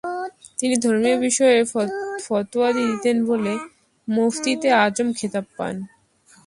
তিনি ধর্মীয় বিষয়ে ফতোয়াদি দিতেন বলে ‘মুফতিয়ে আজম’ খেতাব পান।